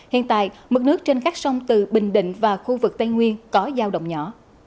hiện tại mực nước trên các sông từ bình định và khu vực tây nguyên có giao động nhỏ